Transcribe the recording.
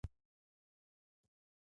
ایا زما هضم به ښه شي؟